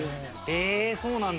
えーそうなんだ。